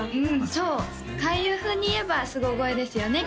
そう開運風にいえばすご声ですよね？